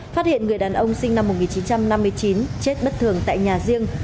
phát hiện người đàn ông sinh năm một nghìn chín trăm năm mươi chín chết bất thường tại nhà riêng